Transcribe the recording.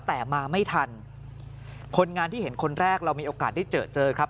แต่มาไม่ทันคนงานที่เห็นคนแรกเรามีโอกาสได้เจอเจอครับ